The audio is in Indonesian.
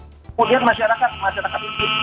kemudian masyarakat masyarakat ini